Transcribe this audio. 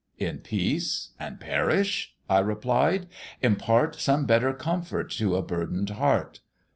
In peace, and perish?' I replied; 'impart Some better comfort to a burthen'd heart.'